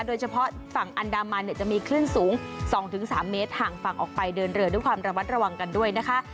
โดยเฉพาะฝั่งอันดามันจะมีคลื่นสูง๒๓เมตรห่างฝั่งออกไปเดินเรือด้วยความระมัดระวังกันด้วยนะคะ